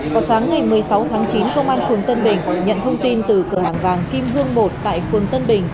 vào sáng ngày một mươi sáu tháng chín công an phường tân bình nhận thông tin từ cửa hàng vàng kim hương một tại phường tân bình